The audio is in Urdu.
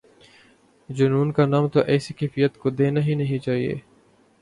جنون کا نام تو ایسی کیفیت کو دینا ہی نہیں چاہیے۔